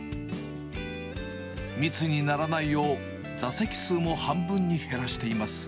密にならないよう、座席数も半分に減らしています。